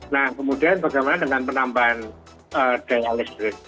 nah kemudian bagaimana dengan penambahan daya listrik